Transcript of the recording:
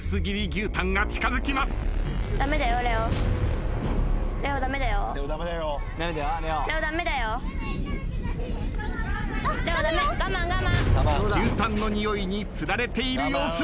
牛タンのにおいにつられている様子。